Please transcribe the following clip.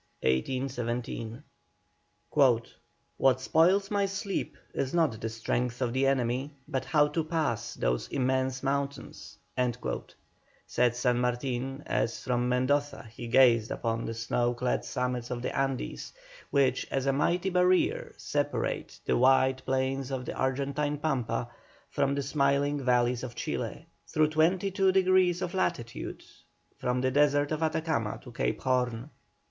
CHAPTER XIII. THE PASSAGE OF THE ANDES. 1817. "What spoils my sleep is not the strength of the enemy, but how to pass those immense mountains," said San Martin, as from Mendoza he gazed upon the snow clad summits of the Andes, which as a mighty barrier separate the wide plains of the Argentine Pampa from the smiling valleys of Chili, through twenty two degrees of latitude, from the desert of Atacama to Cape Horn.